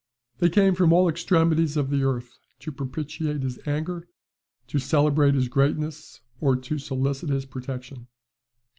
They came from all the extremities of the earth to propitiate his anger, to celebrate his greatness, or to solicit his protection....